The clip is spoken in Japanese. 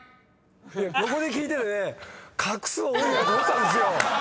横で聞いててね画数多いなと思ったんですよ。